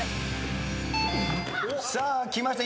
さあきました。